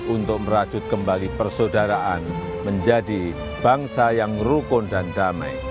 untuk merajut kembali persaudaraan menjadi bangsa yang rukun dan damai